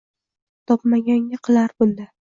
Topmaganga qilar bunda